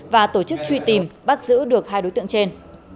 và tổ chức truy tìm bắt giữ được hai đối tượng trên